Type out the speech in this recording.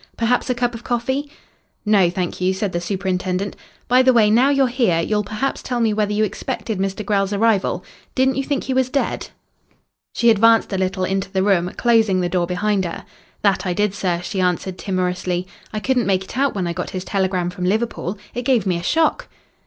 Perhaps a cup of coffee " "No, thank you," said the superintendent. "By the way, now you're here you'll perhaps tell me whether you expected Mr. Grell's arrival. Didn't you think he was dead?" She advanced a little into the room, closing the door behind her. "That I did, sir," she answered timorously. "I couldn't make it out when I got his telegram from Liverpool. It gave me a shock."